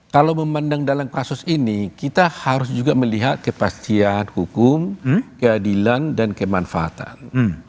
kalau memandang dalam kasus ini kita harus juga melihat kepastian hukum keadilan dan kemanfaatan